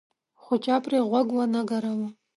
خو چا پرې غوږ ونه ګراوه.